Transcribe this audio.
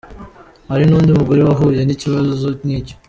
Hari n’undi mugore wahuye n’ikibazo nk’icyo .